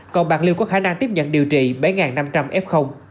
còn bạc liêu có khả năng tiếp nhận điều trị bảy năm trăm linh f